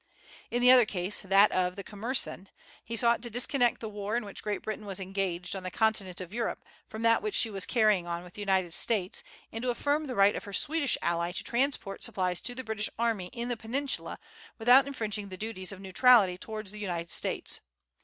In the other case that of the "Commercen" he sought to disconnect the war in which Great Britain was engaged on the continent of Europe from that which she was carrying on with the United States, and to affirm the right of her Swedish ally to transport supplies to the British army in the Peninsula without infringing the duties of neutrality towards the United States.